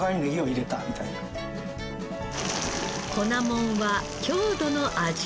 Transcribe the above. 粉もんは郷土の味。